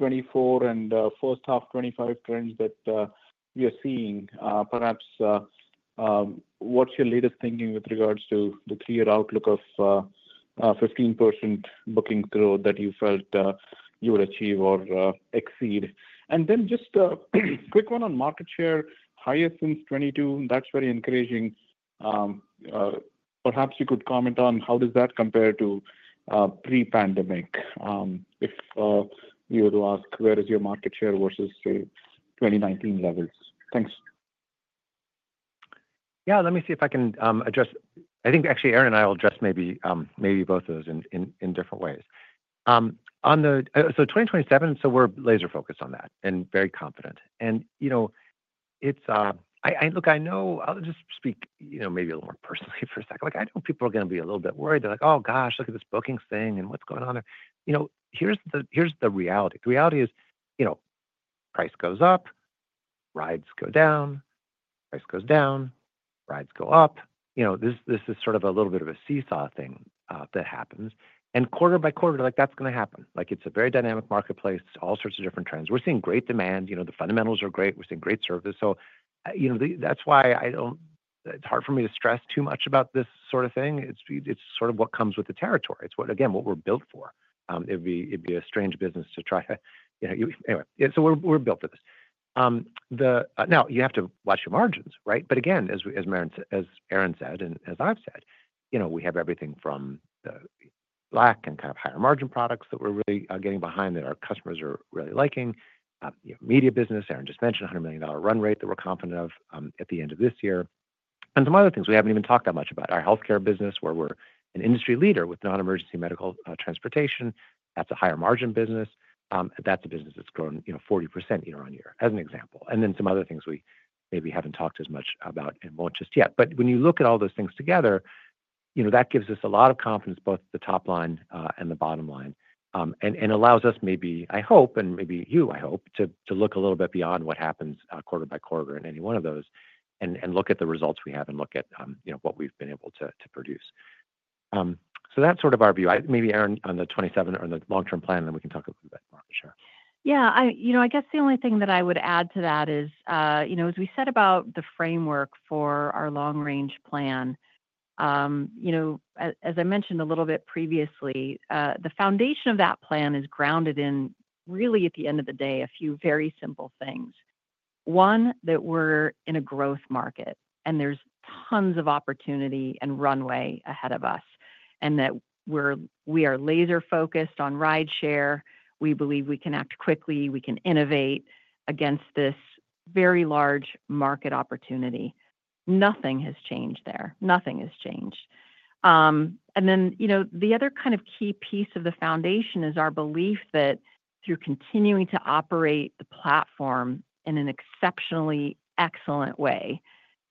2024 and first half 2025 trends that we are seeing. Perhaps what's your latest thinking with regards to the three-year outlook of 15% booking growth that you felt you would achieve or exceed? And then just a quick one on market share, higher since 2022. That's very encouraging. Perhaps you could comment on how does that compare to pre-pandemic if you were to ask where is your market share versus, say, 2019 levels? Thanks. Yeah. Let me see if I can address. I think actually Erin and I will address maybe both of those in different ways. So 2027, so we're laser-focused on that and very confident. And look, I know I'll just speak maybe a little more personally for a second. I know people are going to be a little bit worried. They're like, "Oh gosh, look at this bookings thing and what's going on there." Here's the reality. The reality is price goes up, rides go down, price goes down, rides go up. This is sort of a little bit of a seesaw thing that happens. And quarter by quarter, that's going to happen. It's a very dynamic marketplace, all sorts of different trends. We're seeing great demand. The fundamentals are great. We're seeing great service. So that's why it's hard for me to stress too much about this sort of thing. It's sort of what comes with the territory. It's, again, what we're built for. It'd be a strange business to try to, anyway, so we're built for this. Now, you have to watch your margins, right? But again, as Erin said and as I've said, we have everything from the Black and kind of higher margin products that we're really getting behind that our customers are really liking, media business, Erin just mentioned a $100 million run rate that we're confident of at the end of this year, and some other things we haven't even talked that much about: our healthcare business where we're an industry leader with non-emergency medical transportation. That's a higher margin business. That's a business that's grown 40% year on year, as an example, and then some other things we maybe haven't talked as much about and won't just yet. But when you look at all those things together, that gives us a lot of confidence, both the top line and the bottom line, and allows us maybe, I hope, and maybe you, I hope, to look a little bit beyond what happens quarter by quarter in any one of those and look at the results we have and look at what we've been able to produce. So that's sort of our view. Maybe Erin on the 2027 or on the long-term plan, and then we can talk a little bit more for sure. Yeah. I guess the only thing that I would add to that is, as we said about the framework for our long-range plan, as I mentioned a little bit previously, the foundation of that plan is grounded in really, at the end of the day, a few very simple things. One, that we're in a growth market, and there's tons of opportunity and runway ahead of us, and that we are laser-focused on rideshare. We believe we can act quickly. We can innovate against this very large market opportunity. Nothing has changed there. Nothing has changed. And then the other kind of key piece of the foundation is our belief that through continuing to operate the platform in an exceptionally excellent way,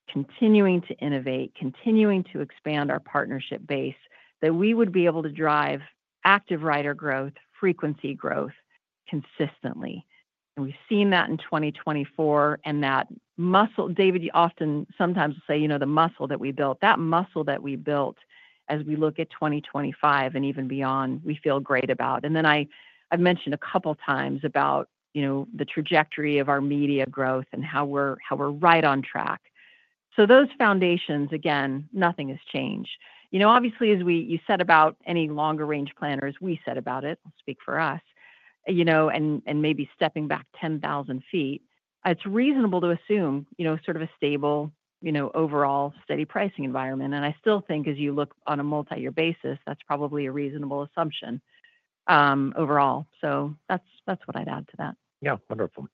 continuing to innovate, continuing to expand our partnership base, that we would be able to drive active rider growth, frequency growth consistently. And we've seen that in 2024. And that muscle, David, you often sometimes will say the muscle that we built, that muscle that we built as we look at 2025 and even beyond, we feel great about. And then I've mentioned a couple of times about the trajectory of our media growth and how we're right on track. So those foundations, again, nothing has changed. Obviously, as you said about any longer-range planners, we said about it, I'll speak for us, and maybe stepping back 10,000 feet, it's reasonable to assume sort of a stable, overall, steady pricing environment. And I still think as you look on a multi-year basis, that's probably a reasonable assumption overall. So that's what I'd add to that. Yeah. Wonderful.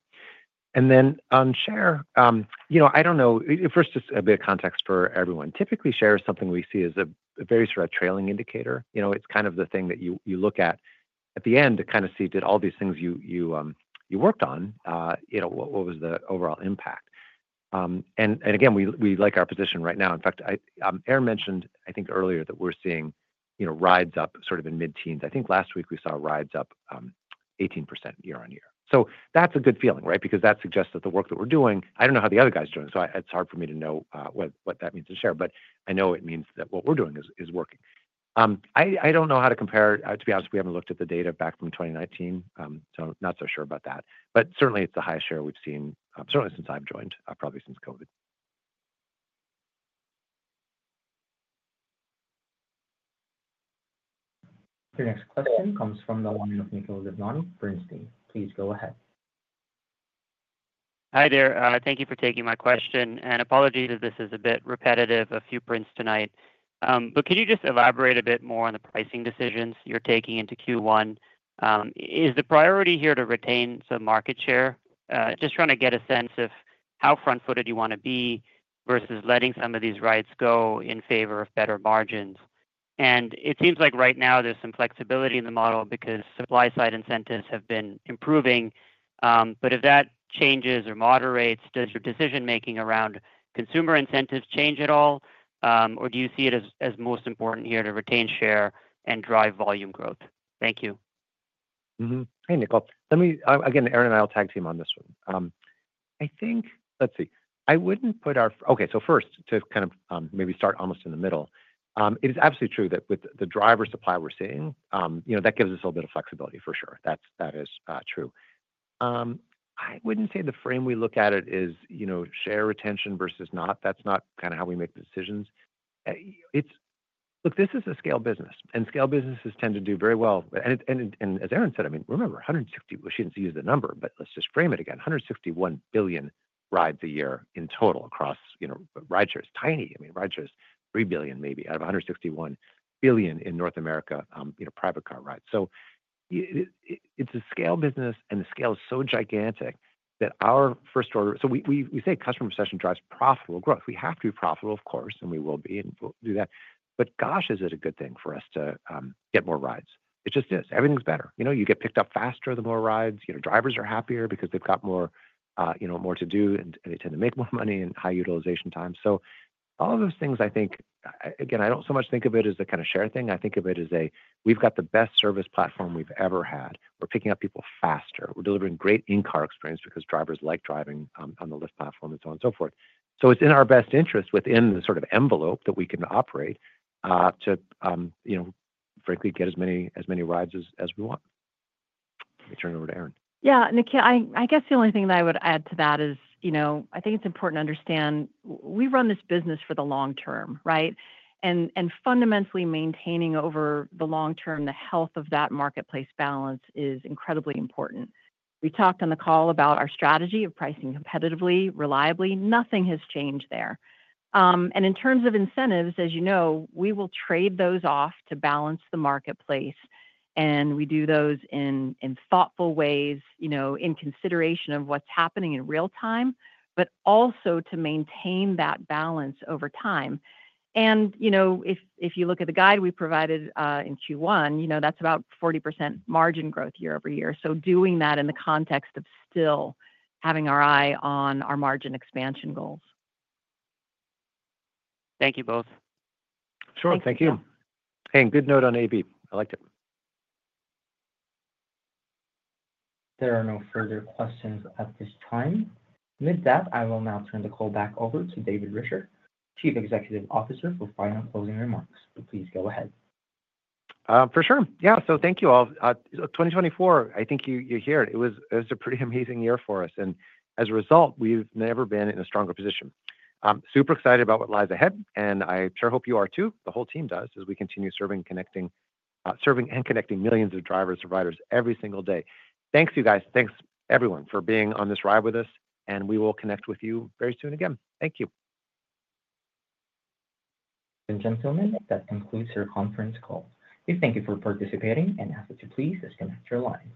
And then on share, I don't know. First, just a bit of context for everyone. Typically, share is something we see as a very sort of trailing indicator. It's kind of the thing that you look at at the end to kind of see did all these things you worked on, what was the overall impact? And again, we like our position right now. In fact, Erin mentioned, I think, earlier that we're seeing rides up sort of in mid-teens. I think last week we saw rides up 18% year on year. So that's a good feeling, right? Because that suggests that the work that we're doing, I don't know how the other guys are doing. So it's hard for me to know what that means to share. But I know it means that what we're doing is working. I don't know how to compare. To be honest, we haven't looked at the data back from 2019. So I'm not so sure about that. But certainly, it's the highest share we've seen, certainly since I've joined, probably since COVID. Your next question comes from the line of Nikhil Devnani, Bernstein. Please go ahead. Hi there. Thank you for taking my question. And apologies if this is a bit repetitive, a few points tonight. But could you just elaborate a bit more on the pricing decisions you're taking into Q1? Is the priority here to retain some market share? Just trying to get a sense of how front-footed you want to be versus letting some of these rides go in favor of better margins. And it seems like right now there's some flexibility in the model because supply-side incentives have been improving. But if that changes or moderates, does your decision-making around consumer incentives change at all? Or do you see it as most important here to retain share and drive volume growth? Thank you. Hey, Nikhil. Again, Erin and I will tag team on this one. I think, let's see. So first, to kind of maybe start almost in the middle, it is absolutely true that with the driver supply we're seeing, that gives us a little bit of flexibility for sure. That is true. I wouldn't say the frame we look at it is share retention versus not. That's not kind of how we make the decisions. Look, this is a scale business. And scale businesses tend to do very well. And as Erin said, I mean, remember, 160 - well, she didn't use the number, but let's just frame it again. 161 billion rides a year in total across rideshare is tiny. I mean, rideshare is 3 billion maybe out of 161 billion in North America private car rides. It's a scale business, and the scale is so gigantic that our first order, so we say customer obsession drives profitable growth. We have to be profitable, of course, and we will be and we'll do that. But gosh, is it a good thing for us to get more rides? It just is. Everything's better. You get picked up faster with more rides. Drivers are happier because they've got more to do, and they tend to make more money and high utilization times. So all of those things, I think, again, I don't so much think of it as a kind of share thing. I think of it as a, "We've got the best service platform we've ever had. We're picking up people faster. We're delivering great in-car experience because drivers like driving on the Lyft platform and so on and so forth." So it's in our best interest within the sort of envelope that we can operate to, frankly, get as many rides as we want. Let me turn it over to Erin. Yeah. I guess the only thing that I would add to that is I think it's important to understand we run this business for the long term, right? And fundamentally maintaining over the long term the health of that marketplace balance is incredibly important. We talked on the call about our strategy of pricing competitively, reliably. Nothing has changed there. And in terms of incentives, as you know, we will trade those off to balance the marketplace. And we do those in thoughtful ways in consideration of what's happening in real time, but also to maintain that balance over time. And if you look at the guide we provided in Q1, that's about 40% margin growth year over year. So doing that in the context of still having our eye on our margin expansion goals. Thank you both. Sure. Thank you. Hey, and good note on AB. I liked it. There are no further questions at this time. With that, I will now turn the call back over to David Risher, Chief Executive Officer for final closing remarks. Please go ahead. For sure. Yeah. So thank you all. 2024, I think you hear it. It was a pretty amazing year for us. And as a result, we've never been in a stronger position. Super excited about what lies ahead. And I sure hope you are too. The whole team does as we continue serving and connecting millions of drivers and providers every single day. Thanks, you guys. Thanks, everyone, for being on this ride with us. And we will connect with you very soon again. Thank you. Gentlemen, that concludes your conference call. We thank you for participating and ask that you please disconnect your line.